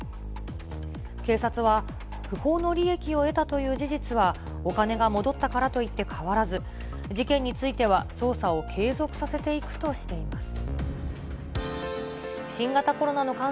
警察は、不法の利益を得たという事実はお金が戻ったからといって変わらず、事件については捜査を継続させていくとしています。